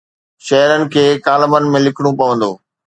شهرن کي ڪالمن ۾ لکڻو پوندو.